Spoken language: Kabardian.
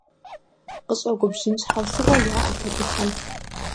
КъыщӀэгубжьын щхьэусыгъуэ яӀэт абыхэм.